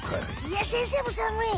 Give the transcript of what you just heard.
いや先生もさむい。